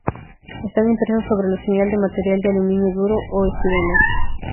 Están impresos sobre la señal de material de aluminio duro o estireno.